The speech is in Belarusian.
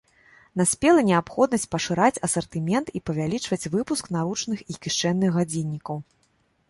Наспела неабходнасць пашыраць асартымент і павялічваць выпуск наручных і кішэнных гадзіннікаў.